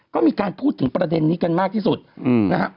ก็มีการพูดถึงประเด็นนี้กันมากที่สุดนะครับ